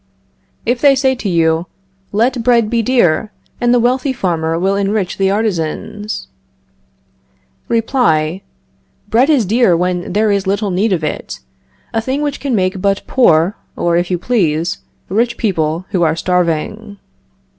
If they say to you: Let bread be dear, and the wealthy farmer will enrich the artisans Reply: Bread is dear when there is little of it, a thing which can make but poor, or, if you please, rich people who are starving.